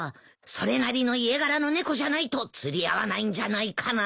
それなりの家柄の猫じゃないと釣り合わないんじゃないかなぁ。